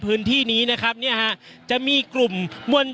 อย่างที่บอกไปว่าเรายังยึดในเรื่องของข้อ